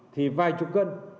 thì vài chục cân